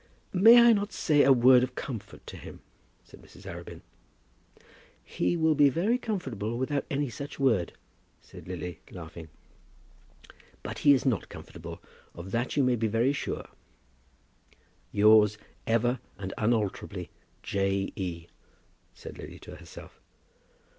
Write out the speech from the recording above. "May I not say a word of comfort to him?" said Mrs. Arabin. "He will be very comfortable without any such word," said Lily, laughing. "But he is not comfortable; of that you may be very sure." "Yours ever and unalterably, J. E.," said Lily to herself.